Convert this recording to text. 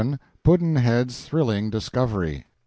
Pudd'nhead's Startling Discovery.